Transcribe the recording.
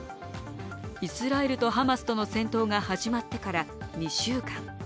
イスラエルとハマスとの戦闘が始まってから２週間。